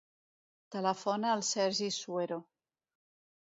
Telefona al Sergi Suero.